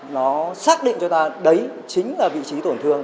nó xác định cho ta đấy chính là vị trí tổn thương